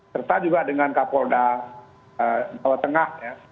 serta juga dengan pak poldal pak wtengah